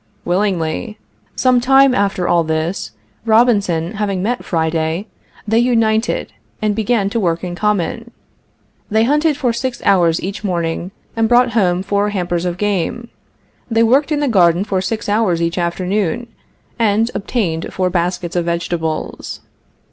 Willingly. Some time after all this, Robinson having met Friday, they united, and began to work in common. They hunted for six hours each morning and brought home four hampers of game. They worked in the garden for six hours each afternoon, and obtained four baskets of vegetables.